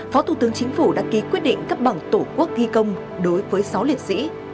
các thủ tướng chính phủ đã ký quyết định cấp bằng tổ quốc thi công đối với sáu lễ sĩ